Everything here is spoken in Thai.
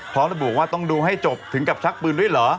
พร้อมระบุว่าต้องดูให้จบถึงกับชักปืนด้วยเหรอ